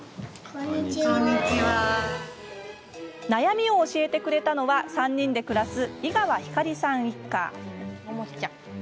悩みを教えてくださったのは３人で暮らす井川ひかりさん一家。